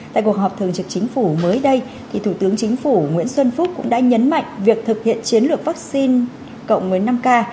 tại cuộc họp thường trực chính phủ mới đây thủ tướng chính phủ nguyễn xuân phúc cũng đã nhấn mạnh việc thực hiện chiến lược vaccine cộng một mươi năm k